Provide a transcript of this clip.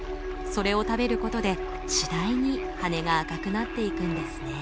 それを食べることで次第に羽根が赤くなっていくんですね。